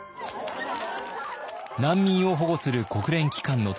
難民を保護する国連機関のトップ